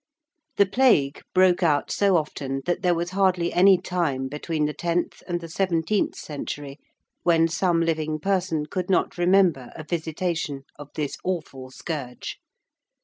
The Plague broke out so often that there was hardly any time between the tenth and the seventeenth century when some living person could not remember a visitation of this awful scourge.